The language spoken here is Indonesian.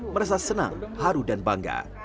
merasa senang haru dan bangga